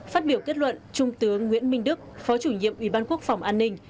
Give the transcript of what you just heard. phát biểu kết luận trung tướng nguyễn minh đức phó chủ nhiệm ủy ban quốc phòng an ninh